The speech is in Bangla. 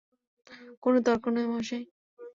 কোন তর্ক নয়, মশাই।